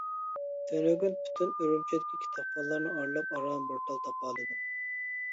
تۈنۈگۈن پۈتۈن ئۈرۈمچىدىكى كىتابخانىلارنى ئارىلاپ، ئاران بىر تال تاپالىدىم.